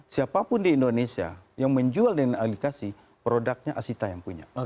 siapapun di indonesia yang menjual dengan aplikasi produknya asita yang punya